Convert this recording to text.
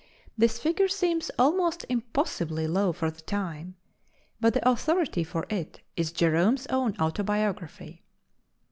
This figure seems almost impossibly low for the time, but the authority for it is Jerome's own autobiography.